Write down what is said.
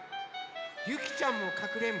ゆきちゃんもかくれんぼ？